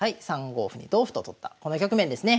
３五歩に同歩と取ったこの局面ですね。